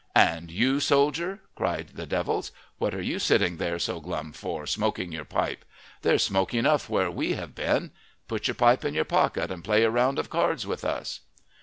"And you, soldier?" cried the devils. "What are you sitting there so glum for, smoking your pipe? There's smoke enough where we have been. Put your pipe in your pocket and play a round of cards with us."